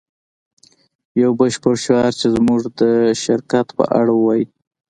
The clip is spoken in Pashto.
یو بشپړ شعار چې زموږ د شرکت په اړه ووایی